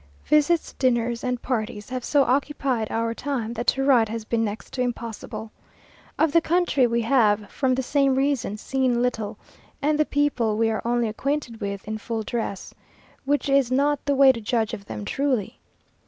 Visits, dinners, and parties have so occupied our time, that to write has been next to impossible. Of the country we have, from the same reason, seen little, and the people we are only acquainted with in full dress, which is not the way to judge of them truly.